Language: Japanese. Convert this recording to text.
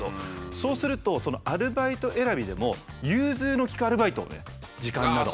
そうするとアルバイト選びでも融通の利くアルバイトをね時間など。